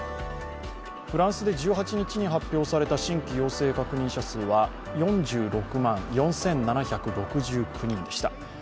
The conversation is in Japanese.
フランスで１８日に新規陽性確認者数は４６万４７６９人でした。